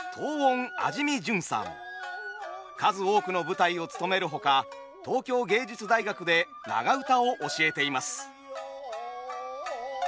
数多くの舞台をつとめるほか東京藝術大学で長唄を教えています。